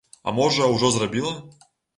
А можа, ужо зрабіла?